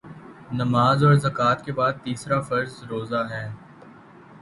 نماز اور زکوٰۃ کے بعدتیسرا فرض روزہ ہے